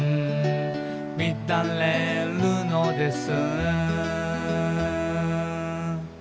「みだれるのです」